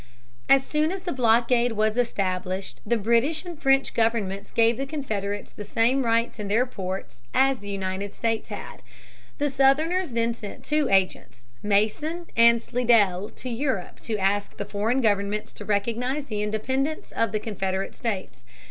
As soon as the blockade was established, the British and French governments gave the Confederates the same rights in their ports as the United States had. The Southerners then sent two agents, Mason and Slidell, to Europe to ask the foreign governments to recognize the independence of the Confederate states.